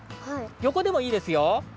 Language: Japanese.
よこでもいいですよ。